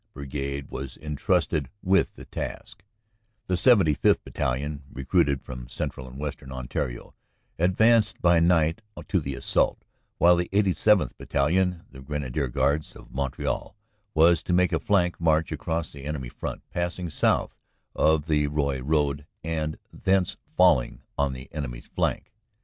Brigade was entrusted with the task. The 75th. Battalion, recruited from Central and Western On tario, advanced by night to the assault, while the 87th. Bat talion, the Grenadier Guards of Montreal, was to make a flank march across the enemy front, passing south of the Roye road, and thence falling on the enemy s flank.